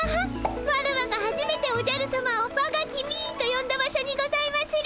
ワラワがはじめておじゃるさまを「わが君」とよんだ場所にございまする！